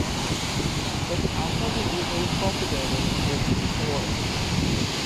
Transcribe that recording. They can also be easily propagated with spores.